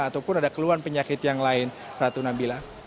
ataupun ada keluhan penyakit yang lain ratu nabila